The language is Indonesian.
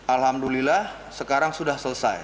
alhamdulillah sekarang sudah selesai